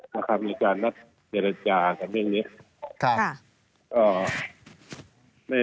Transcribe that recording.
มีการนัดเจรจากันเรื่องนี้